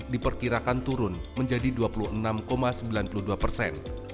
diperkirakan turun menjadi dua puluh enam sembilan puluh dua persen